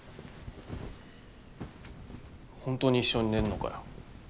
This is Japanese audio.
本当に一緒に寝るのかよ。